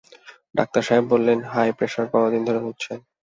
Doctor সাহেব বললেন, high প্রেশারে কত দিন ধরে ভুগছেন?